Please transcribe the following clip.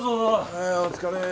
はいお疲れ。